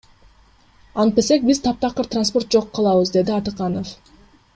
Антпесек биз таптакыр транспорт жок калабыз, — деди Атыканов.